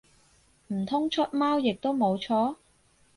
唔通出貓亦都冇錯？